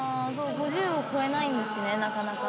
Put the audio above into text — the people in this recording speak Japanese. ５０を超えないんですねなかなか。